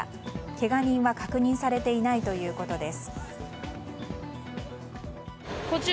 けが人は確認されていないということです。